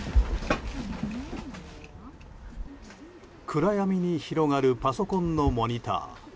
暗闇に広がるパソコンのモニター。